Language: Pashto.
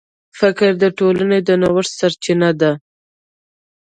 فکر د ټولنې د نوښت سرچینه ده.